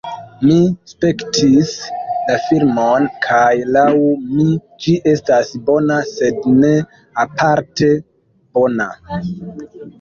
Mi spektis la filmon kaj laŭ mi, ĝi estas bona sed ne aparte bona